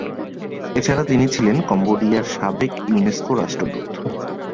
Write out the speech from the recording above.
এছাড়া তিনি ছিলে কম্বোডিয়ার সাবেক ইউনেস্কো রাষ্ট্রদূত।